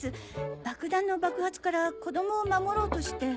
爆弾の爆発から子供を守ろうとして。